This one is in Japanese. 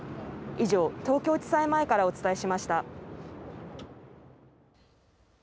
以上、東京地裁前からお伝えしました。